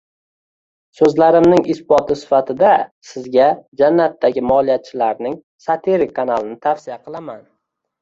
So'zlarimning isboti sifatida sizga jannatdagi moliyachilarning satirik kanalini tavsiya qilaman: